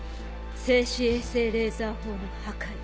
静止衛星レーザー砲の破壊。